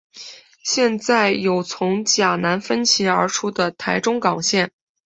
现在有从甲南分歧而出的台中港线。